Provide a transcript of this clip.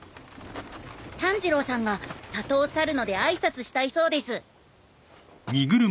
炭治郎さんが里を去るので挨拶したいそうです。